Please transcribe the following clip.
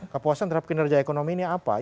kepuasan terhadap kinerja ekonomi ini apa